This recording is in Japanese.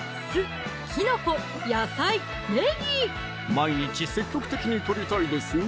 毎日積極的にとりたいですね